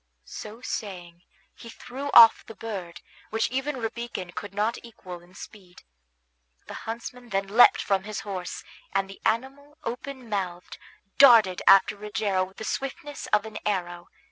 So saying, he threw off the bird, which even Rabican could not equal in speed. The huntsman then leapt from his horse, and the animal, open mouthed, darted after Rogero with the swiftness of an arrow.